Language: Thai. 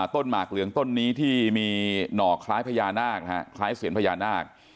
ต้นหมากเหลืองต้นนี้ที่มีหน่อคล้ายเซียนพญานาค